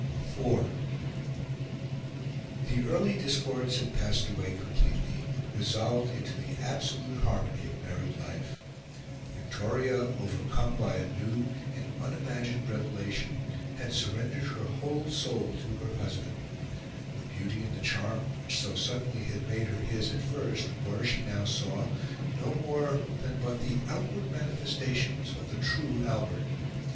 IV The early discords had passed away completely resolved into the absolute harmony of married life. Victoria, overcome by a new, an unimagined revelation, had surrendered her whole soul to her husband. The beauty and the charm which so suddenly had made her his at first were, she now saw, no more than but the outward manifestation of the true Albert.